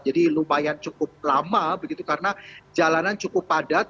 jadi lumayan cukup lama karena jalanan cukup padat